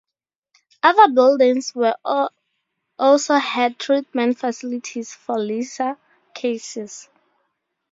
Other buildings were also had treatment facilities for lesser cases.